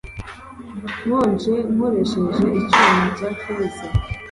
nkonje nkoresheje icyuma cya feza,